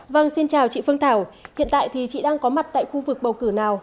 vâng xin chào chị phương thảo hiện tại thì chị đang có mặt tại khu vực bầu cử nào